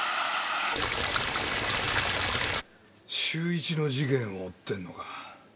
修一の事件を追ってんのか。